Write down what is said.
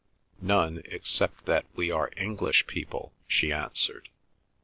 "None, except that we are English people," she answered.